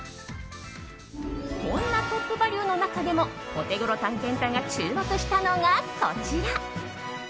そんなトップバリュの中でもオテゴロ探検隊が注目したのがこちら。